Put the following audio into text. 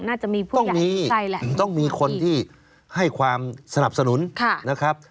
น่าจะมีผู้ใหญ่ใครแหละต้องมีคนที่ให้ความสนับสนุนนะครับ